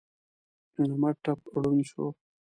احمد ټپ ړوند شو.